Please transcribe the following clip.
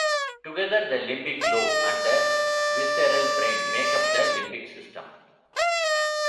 Together, the limbic lobe and the visceral brain make up the limbic system.